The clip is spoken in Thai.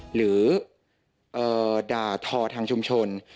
หรือด่าทอทางชุมชน